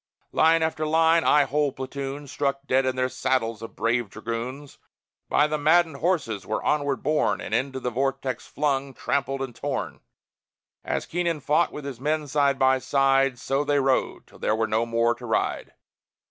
Line after line, aye, whole platoons, Struck dead in their saddles, of brave dragoons, By the maddened horses were onward borne And into the vortex flung, trampled and torn; As Keenan fought with his men, side by side. So they rode, till there were no more to ride.